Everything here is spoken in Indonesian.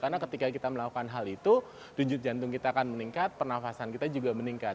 karena ketika kita melakukan hal itu dunjuk jantung kita akan meningkat pernafasan kita juga meningkat